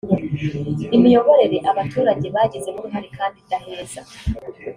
imiyoborere abaturage bagizemo uruhare kandi idaheza